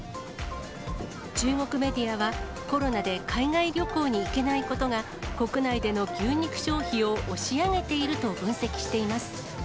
中国メディアは、コロナで海外旅行に行けないことが、国内での牛肉消費を押し上げていると分析しています。